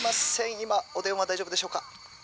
今お電話大丈夫でしょうか？」。